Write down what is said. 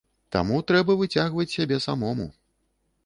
Таму трэба выцягваць сябе самому.